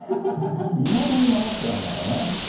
いまだに守ってないからね。